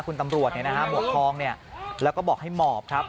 คุณตำรวจเนี้ยนะฮะหัวฮองเนี้ยแล้วก็บอกให้หมอบครับ